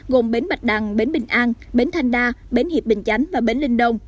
gồm bến bạch đằng bến bình an bến thanh đa bến hiệp bình chánh và bến linh đông